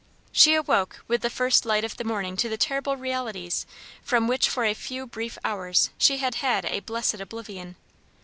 She awoke with the first light of morning to the terrible realities from which for a few brief hours she had had a blessed oblivion.